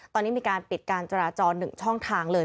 ตอนนี้มีการปิดการจราจร๑ช่องทางเลย